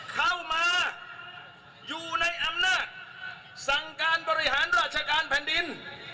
เข้ามาอยู่ในอำนาจสั่งการบริหารราชการแผ่นดิน